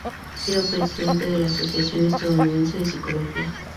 Ha sido presidente de la Asociación Estadounidense de Psicología.